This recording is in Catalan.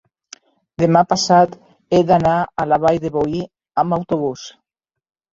demà passat he d'anar a la Vall de Boí amb autobús.